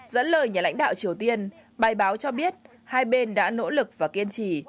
dẫn lời nhà lãnh đạo triều tiên bài báo cho biết hai bên đã nỗ lực và kiên trì